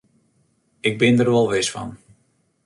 Ik bin der wol wis fan.